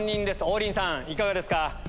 王林さんいかがですか？